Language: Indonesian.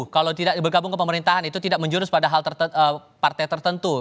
kalau tidak bergabung ke pemerintahan itu tidak menjurus pada hal partai tertentu